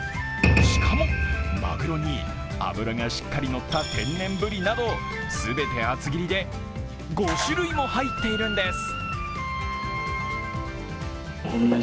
しかもマグロに脂がしっかりのった天然ブリなど全て厚切りで、５種類も入っているんです。